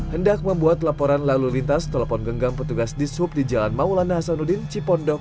hendak membuat laporan lalu lintas telepon genggam petugas di sub di jalan maulana hasanuddin cipondok